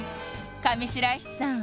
上白石さん